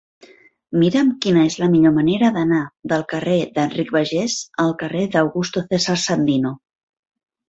Mira'm quina és la millor manera d'anar del carrer d'Enric Bargés al carrer d'Augusto César Sandino.